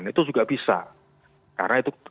itu juga bisa karena itu